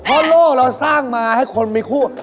เพราะโลกเราสร้างมาให้คนมีคู่